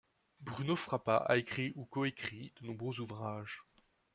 Bruno Frappat a écrit ou coécrit de nombreux ouvrages.